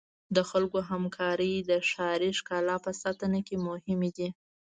د خلکو همکاري د ښاري ښکلا په ساتنه کې مهمه ده.